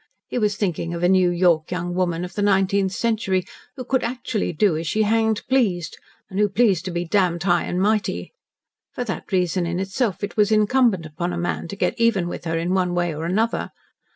He was thinking of a New York young woman of the nineteenth century who could actually do as she hanged pleased, and who pleased to be damned high and mighty. For that reason in itself it was incumbent upon a man to get even with her in one way or another.